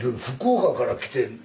福岡から来て。